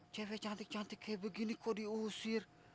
cewek cantik cantik kayak begini kok diusir